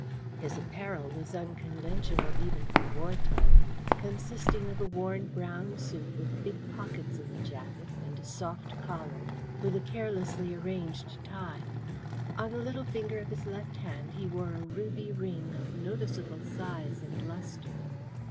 His apparel was unconventional, even for war time, consisting of a worn brown suit with big pockets in the jacket, and a soft collar, with a carelessly arranged tie. On the little finger of his left hand he wore a ruby ring of noticeable size and lustre.